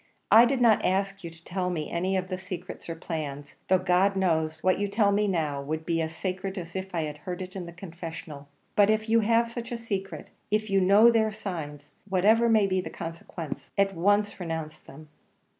I do not ask you to tell me any of their secrets or plans, though, God knows, what you tell me now would be as sacred as if I heard it in the confessional; but if you have such secrets, if you know their signs, whatever may be the consequence, at once renounce them."